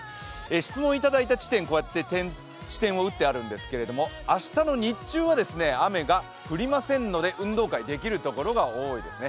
質問をいただいた地点に点を打ってあるんですけれども明日の日中は雨が降りませんので運動会できるところが多いですね。